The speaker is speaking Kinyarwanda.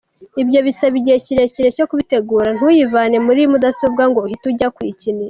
Ibyo bisaba igihe kirekire cyo kubitegura, ntuyivane muri mudasobwa ngo uhite ujya kuyikinisha.